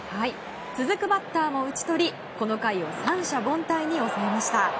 続くバッターも打ち取りこの回を三者凡退に抑えました。